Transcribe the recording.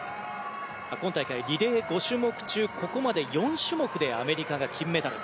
今大会、リレー５種目中ここまで４種目でアメリカが金メダル。